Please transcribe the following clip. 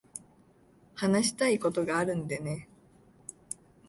話したいことがあるんでね。